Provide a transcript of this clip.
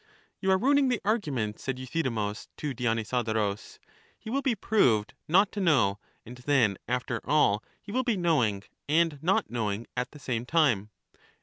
You are ruining the argument, said Euthydemus to EUTHYDEMUS 259 Dionysodorus ; he will be proved not to know, and then after all he will be knowing and not knowing at the same time.